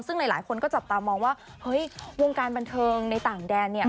ซึ่งหลายคนก็จับตามองว่าเฮ้ยวงการบันเทิงในต่างแดนเนี่ย